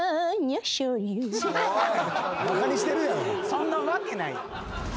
そんなわけないやん！